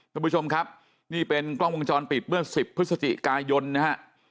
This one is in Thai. ท่านผู้ชมครับนี่เป็นกล้องวงจรปิดเมื่อ๑๐พฤศจิกายนนะฮะ